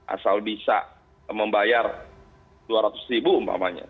asal bisa membayar dua ratus ribu umpamanya